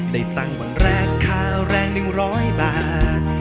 ได้ตังค์วันแรกค่าแรง๑๐๐บาท